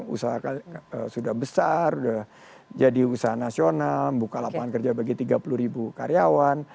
usaha sudah besar sudah jadi usaha nasional buka lapangan kerja bagi tiga puluh ribu karyawan